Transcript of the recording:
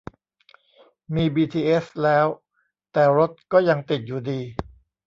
มีบีทีเอสแล้ว แต่รถก็ยังติดอยู่ดี